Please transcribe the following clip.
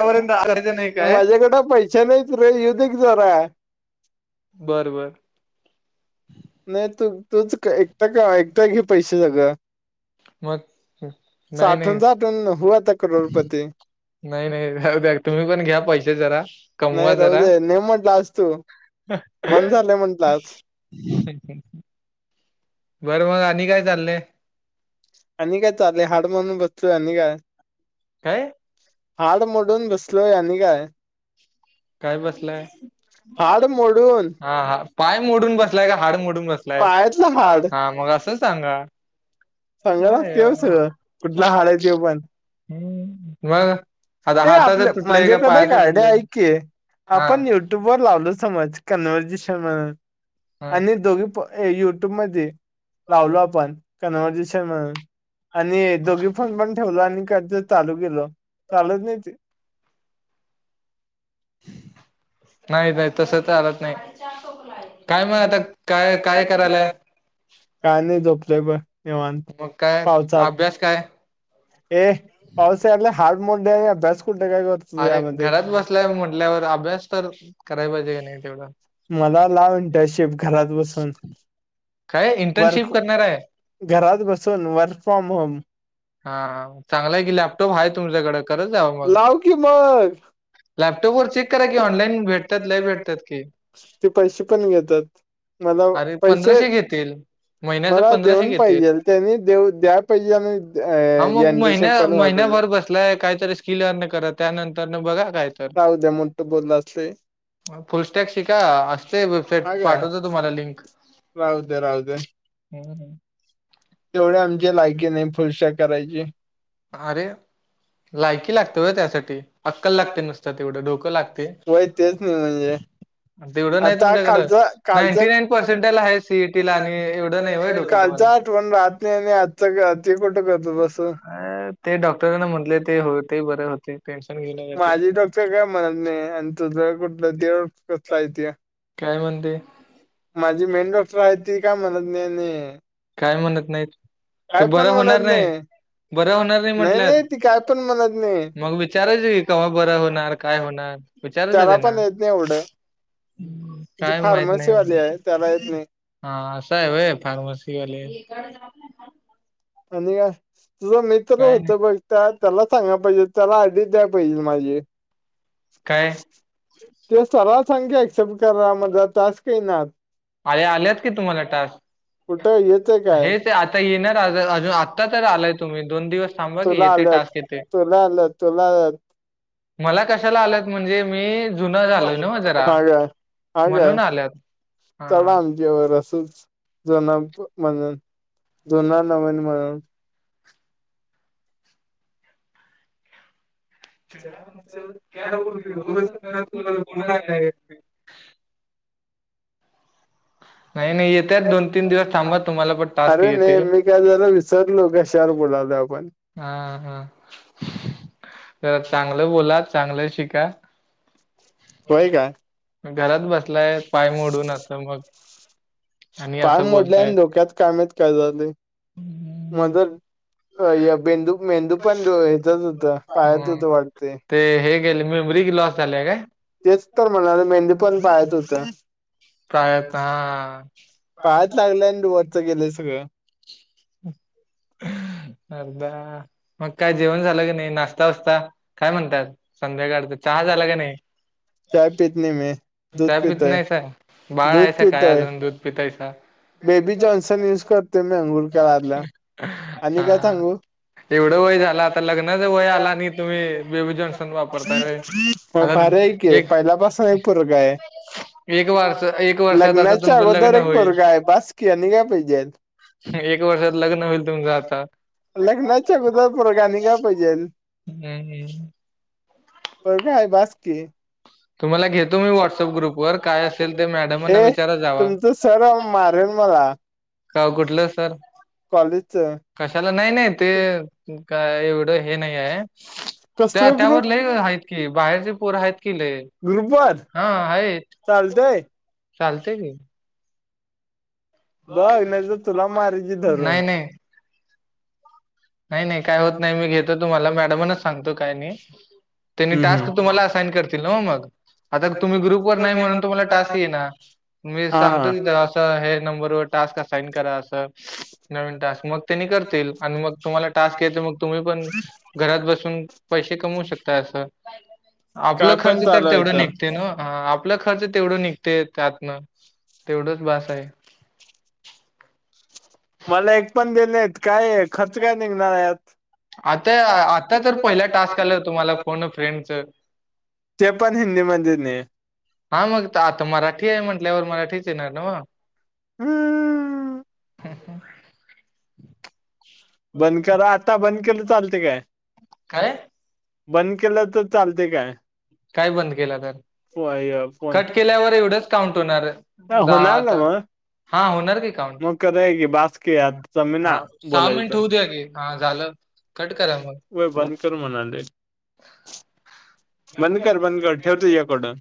पर्यंत करायचं नाही काय माझ्याकडे पैश नाहीत रे येऊ दे की जरा. बर बर नाही तू- तूच एकटा का एकटा घे पैसे सगळं. मग नाही नाही साठून साठून हो आता करोडपती. नाही नाही राहू द्या, तुम्ही पण घ्या पैसे जरा, कमवा नाही राहू जरा. मन झालंय म्हटलं आज. बरं मग आणि काय चाललंय? आणि काय चालेल हाड म्हणून बसतोय आणि काय. काय? हाड मोडून बसलो यांनी काय? काय बसलाय? हाड मोडून हा हा, पाय मोडून बसलाय का हाड मोडून बसलाय? पायातलं हाड हा मग असंच सांगा. सांगावं काय लागतंय व्हय सगळं, कुठला हाड हाय ते पण? हम्म मग आता ते हाताच आपलं तुटलंय म्हणजे का कध पायाच काड्या तुटलंय ऐ [inaudible] की, हा आपण युट्यूब वर लावलो समज कन्व्हर्जेशन म्हणून हा आणि दोघी युट्यूब मध्ये लावलो आपण कन अ म्हणून आणि दोघी फोन पण ठेवल आणि का चालू गेलो चालूत नाही ते नाही -नाही तसं चालत नाही. काय का मग आता का काय काय कार्य [inaudible] करायलाय काय नाही झोपले बग निवांत मग काय पावसात. अभ्यास काय ए पावसाले हाड मोडडे अभ्यास [unintelligible] कुठ्ट का गत अरे घरात बसलाय म्हटल्यावर अभ्यास तर कराय पाहिजे का नाही तेवढं? मला लाव इंटर्नशिप घरात बसून काय इंटर्नशिप वर्क करणार आहे. घरात बसून वर्क फ्रॉम होम. हा चांगलाय की, लॅपटॉप आहे तुमच्याकडे. करत जा. लाव की, मग. लॅपटॉप वर चेक करा कि. ऑनलाईन भेटत्यात. लय भेटत्यात की. ते पैसे पण घेतात मला अरे, पैसे पंधराशे घेतील. महिन्याच मला पंधराशे देऊन घेतील. पाहिजेल त्यांनी देऊ, द्या पाहिजे. आणि अ जनरेशीप पण, व्हाय पाहिजे. ए, काहीतरी स्किल अर्न कर. त्यानंत तरन बघा. काय जाऊ द्या. मो त बोलला असतय. फुलस्टॅग शिका. असतेय वेबसाईट. हा का पाठवतो तुम्हाला लिंक. राहू दे. राहू दे. [unintelligible] तेवढ्या आमचे लायकी नाही. फुलशा करायची. अरे! लायकी लागते होय, त्यासाठी. अक्कल लागते. नुसत तेवढं डोकं लागते. वय तेच नाही म्हणजे तेवढं नाही आता तुमच्याकड. कालचा कालचा नाईंटी नाईन पर्सेंटला आहे सीईटीला. आणि एवढं नाही होय. डोकं तुम्हाला. पण राहत नाही आणि आजच ते, कुठं करतो बसू? अ ते डॉक्टरांने म्हटले, ते होते. बरे होते. टेन्शन घेऊ नका माझी डॉक्टर काय म्हणत ते. नाही. आणि तुझ कुठल, देव कसला आहे ते. काय म्हणते? माझी मेन डॉक्टर आहे ती काय म्हणत नाही. आणि काय म्हणत नाहीत. ते काय बर पण होणार म्हणत नाही. बर होणार नाही म्हटल्यात. ती काय पण म्हणत नाही मग विचारायच की, कव्हा बर होणार? काय होणार? त्याला पण येत नाही एवढ. हम्. ती फार्मसीवाली हाय. त्याला येत नाही. हा असाय होय. फार्मसीवालिय. आणि काय? तुझा मित्र काय नाही. होता बघ. त्या त्याला सांगाया पाहिजे. त्याला आयडी द्याया पाहिजे माझी एक. काय? ते सरा सांगे ऍक्सेप्ट करा. मजा टास्क येई ना. आरे, आल्यात की तुम्हाला टास्क. कुठं येतय काय हे, ते आता येणार अजून आत्ता तर आलाय तुम्ही. दोन दिवस थांबा की. तुला येते आल्यात टास्क येतय. तुला आलं. तुला मला कशाला आलेत? म्हणजे मी जुना झालोय नव्ह [unintelligible] हा जरा काय? हा काय? म्हणून आल्यात. चला हां. न जेवायला असच. जोना प मनून. जुना, नवीन म्हणून. ते काय म्हणता? काय बोलतच नाही? हो, नाही करती. नाही, नाही. येत्या दोन - तीन दिवस थांबा. तुम्हाला पण टास्क अरे नाही येतील. मी काय जरा विसरलो. कशावर बोलालो आपण? हा, हा. जरा चांगलं बोला. चांगलं शिका. होय, का? घरात बसलाय. पाय मोडून असं मग. आणि पाय असं मोडलाय बोलताय. न डोक्यात काय माहित? काय झालंय? हं. मदर होय. बेंदू मेंदू पण डो हेच्यात होता. पायात होता वाटतय. ते हे गेले. मेमरी लॉस झालाय काय? तेच तर म्हणालो मेंदु पण पायात होता प्रायत हां. पायात लागलय आणि वरच गेल सगळ अर्धा मग काय जेवण झाल का नाही नाश नाश्ता वास्ता काय म्हणताय संध्याकाळ चा चहा झाला का नाही चाय पीत नाही मी दूध चाय पित पितोय नाहीस आहे बाळ दूध आहेस काय पितोय अजुन दूध पितायसा बेबी जॉन्सन यूज करते मी अंघोळ करायला आणि काय हा सांगु एवढं वय झाल आता लग्नाच वय आला आणि तुम्ही बेबी जॉन्सन वापरताय होय म आता भारी आहे की एक पहिल्यापासुन एक पोरग आहे एक वर्ष एक वर्षात आता लग्नाच्या तुमचं अगोदर लग्न एक होईल पोरगा आहे बास की आणि काय पाहिजेत एक वर्षात लग्न होईल तुमच करतात लग्नाच्या अगोदर पोरगा आणि काय पाहिजेल हम्म पोरगा आहे बास की तुम्हाला घेतो मी व्हॉट्सअप ग्रुप वर काय असेल ते मॅडमांना हे विचारत जावा तुमच सर मारील मला का ओ कुठल सर कॉलेजच कशाला नाही नाही ते काय एवढ हे नाही आहे कसल त्या त्यावर ग्रुप लई आहेत की बाहेरचे पोर आहेत की लय ग्रुप वर हा हायेत चालतय चालते की बघ नाही तर तुला मारीन नाही धरून नाही नाही नाही काय होत नाही मी घेतो तुम्हाला मॅडमानाच सांगतो काय नाही त्यांनी हम्म हम्म टास्क तुम्हाला असाईन करतील ना ओ मग आता तुम्ही ग्रुपवर नाही म्हणुन तुम्हाला टास्क येई ना मी हा सांगतो न हा अस हे नंबरवर टास्क असाईन करा अस नवीन टास्क मग त्यांनी करतील आणि मग तुम्हाला टास्क येते मग तुम्ही पण घरात बसुन पैसे कमवु शकता अस आपला काय पण खर्च तर चालू आहे तेवढ इथं निघते ना हा आपला खर्च तेवढ निघते त्यातन तेवढच बास आहे मला एक पण देल आहेत काय खर्च काय निघणार यात आता आता तर पहिला टास्क आला तुम्हाला फोन अ फ्रेंडच ते पण हिंदी मध्ये नाही हा मग आता मराठी आहे म्हटल्यावर मराठीच येणार ना मग हम्म ह हा बंद करा आता बंद केल तर चालते काय काय बंद केल तर चालते काय काय बंद केल तर फोन कट केल्यावर एवढच काउंट होणार दहा होणार आता हा होणार की काउंट खरं आहे की बासकी हां, यात जमे ना हां, बोलायच मिनिट होऊ द्या की. हां, झालं. कट करा मग. होय बंद कर म्हणाले बंद कर बंद कर ठेव तुझ्याकडन